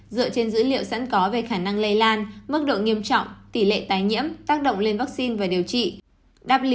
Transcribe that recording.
dựa trên dữ liệu sẵn có về khả năng lây lan mức độ nghiêm trọng tỷ lệ tái nhiễm tác động lên vaccine và điều trị